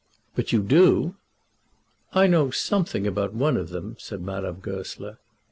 "But you do?" "I know something about one of them," said Madame Goesler.